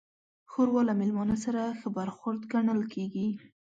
ښوروا له میلمانه سره ښه برخورد ګڼل کېږي.